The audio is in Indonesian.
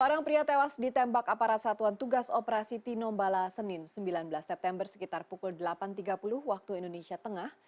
seorang pria tewas ditembak aparat satuan tugas operasi tinombala senin sembilan belas september sekitar pukul delapan tiga puluh waktu indonesia tengah